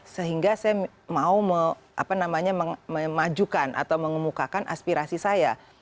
sehingga saya mau memajukan atau mengemukakan aspirasi saya